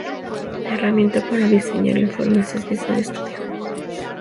La herramienta para diseñar informes es Visual Studio.